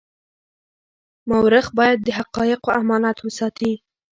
مورخ باید د حقایقو امانت وساتي.